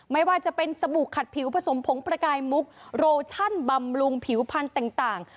ไม่ว่าจะเป็นสบู่ขัดผิวผสมผงประกายมุกโรชั่นบำรุงผิวพันธุ์ต่าง